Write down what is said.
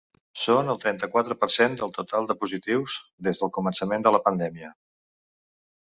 Són el trenta-quatre per cent del total de positius des del començament de la pandèmia.